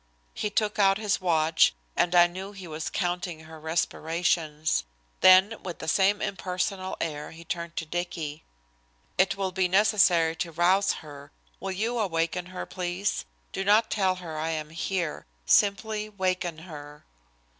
He took out his watch, and I knew he was counting her respirations. Then, with the same impersonal air, he turned to Dicky. "It will be necessary to rouse her. Will you awaken her, please? Do not tell her I am here. Simply waken her."